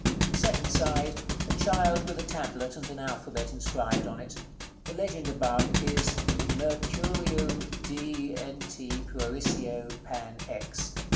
Second side. A child with a tablet, and an alphabet inscribed on it. The legend above is "MECUREU^s DNT. PUERICIE PAN. X."